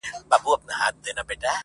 لكه سپوږمۍ چي ترنده ونيسي~